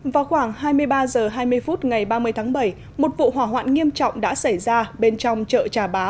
vào khoảng hai mươi ba h hai mươi phút ngày ba mươi tháng bảy một vụ hỏa hoạn nghiêm trọng đã xảy ra bên trong chợ trà bá